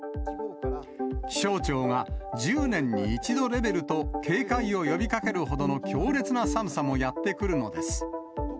気象庁が１０年に１度レベルと警戒を呼びかけるほどの強烈な寒さもやって来るのです。